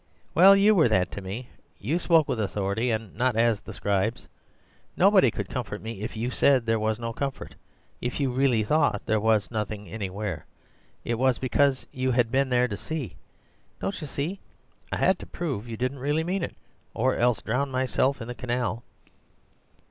"'Well, you were that to me; you spoke with authority, and not as the scribes. Nobody could comfort me if YOU said there was no comfort. If you really thought there was nothing anywhere, it was because you had been there to see. Don't you see that I HAD to prove you didn't really mean it?— or else drown myself in the canal.